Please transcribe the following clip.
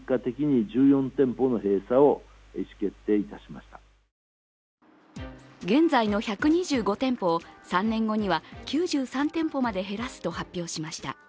そして、先ほど現在の１２５店舗を３年後には９３店舗まで減らすと発表しました。